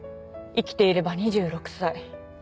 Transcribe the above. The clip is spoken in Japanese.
生きていれば２６歳。